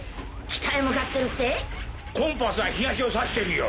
北へ向かってるって⁉コンパスは東を指してるよ。